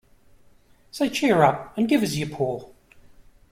So cheer up, and give us your paw.